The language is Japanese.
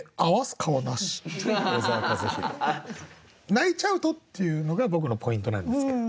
「泣いちゃうと」っていうのが僕のポイントなんですけど。